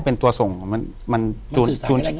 อยู่ที่แม่ศรีวิรัยิลครับ